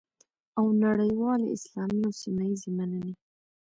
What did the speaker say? او نړیوالې، اسلامي او سیمه ییزې مننې